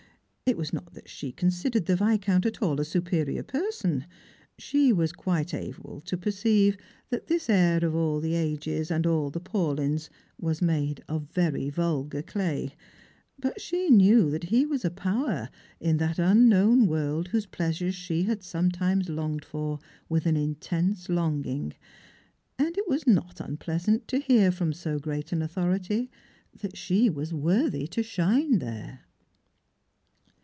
It was not that she considered the Viscount at all a superior person. She was quite able to perceive that this heir of all the ages and all the Paulyns was » n8 IStrangers and Pilgrhna. ■ ■aiade ot very vulgar clay ; but she knew that he was a powe? in that unl^nown world whose pleasures she had sometimes longed for with an intense longing, and it was not unpleasant to hear from so great an authority that she was worthy to shine there.